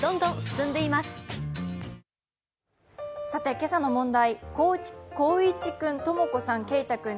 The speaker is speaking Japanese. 今朝の問題です。